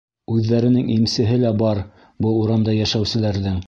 Үҙҙәренең имсеһе лә бар был урамда йәшәүселәрҙең.